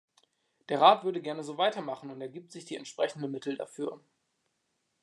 Der Rat würde gerne so weitermachen und er gibt sich die entsprechenden Mittel dafür.